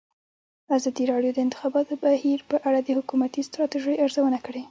ازادي راډیو د د انتخاباتو بهیر په اړه د حکومتي ستراتیژۍ ارزونه کړې.